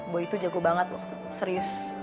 boy itu jago banget loh serius